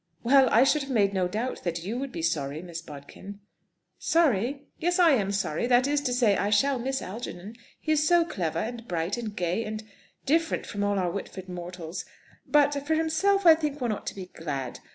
"Well, I should have made no doubt that you would be sorry, Miss Bodkin." "Sorry! Yes; I am sorry. That is to say, I shall miss Algernon. He is so clever, and bright, and gay, and different from all our Whitford mortals. But for himself, I think one ought to be glad.